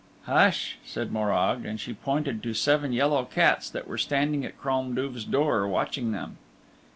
"Hush," said Morag, and she pointed to seven yellow cats that were standing at Crom Duv's door, watching them.